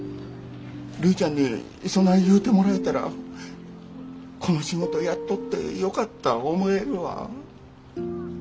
るいちゃんにそない言うてもらえたらこの仕事やっとってよかった思えるわ。